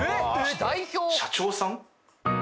社長さん？